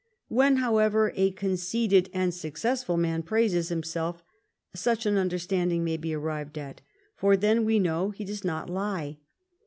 When, however, a conceited and successful man praises himself, such an understanding may be arrived at ; for then, we know, he does not lie.